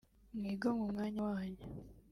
mwigomwe umwanya wanyu